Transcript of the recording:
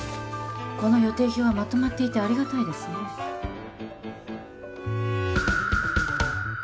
この予定表はまとまっていてありがたいですねえ